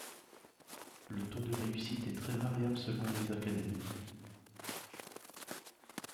Le taux de réussite est très variable selon les académies.